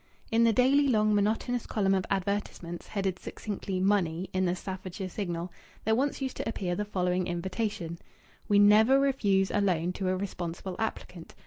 In the daily long monotonous column of advertisements headed succinctly "Money" in the Staffordshire Signal, there once used to appear the following invitation: "WE NEVER REFUSE a loan to a responsible applicant.